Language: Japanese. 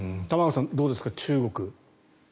玉川さん、どうですか中国。